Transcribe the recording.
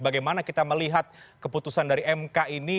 bagaimana kita melihat keputusan dari mk ini